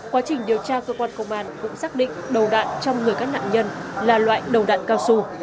quá trình điều tra cơ quan công an cũng xác định đầu đạn trong người các nạn nhân là loại đầu đạn cao su